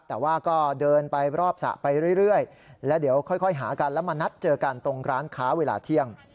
แต่ว่าก็เดินไปรอบสระไปเรื่อยแล้วเดี๋ยวค่อยหากันแล้วมานัดเจอกันตรงร้านค้าเวลาเที่ยง